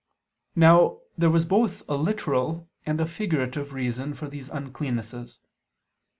Now there was both a literal and a figurative reason for these uncleannesses.